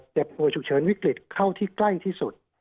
ป่วยฉุกเฉินวิกฤตเข้าที่ใกล้ที่สุด